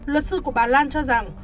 luật sư của bà lan cho rằng